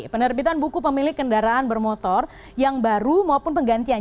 penerbitan buku pemilik kendaraan bermotor yang baru maupun penggantian